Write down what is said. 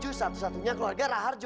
satu satunya keluarga raharjo